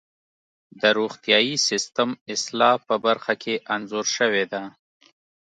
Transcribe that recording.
د روغتیايي سیستم اصلاح په برخه کې انځور شوې ده.